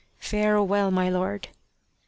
" Farewell, my lord !